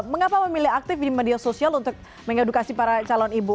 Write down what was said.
mengapa memilih aktif di media sosial untuk mengedukasi para calon ibu